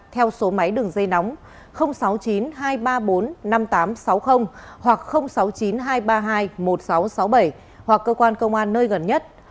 theo số máy đường dây nóng sáu mươi chín hai trăm ba mươi bốn năm nghìn tám trăm sáu mươi hoặc sáu mươi chín hai trăm ba mươi hai một nghìn sáu trăm sáu mươi bảy hoặc cơ quan công an nơi gần nhất